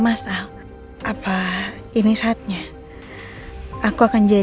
masih lama nggak ya supirnya